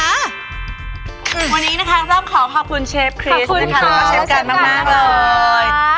วันนี้นะคะเริ่มขอขอบคุณเชฟคริสขอบคุณเชฟกันมากเลย